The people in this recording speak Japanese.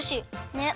ねっ！